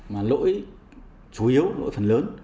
mà lỗi chủ yếu lỗi phần lớn